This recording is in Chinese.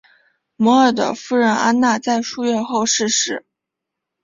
摩尔的夫人安娜也在数月后逝世。